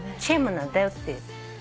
チームなんだよって。